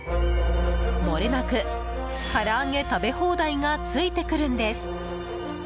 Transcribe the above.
もれなく、から揚げ食べ放題がついてくるんです。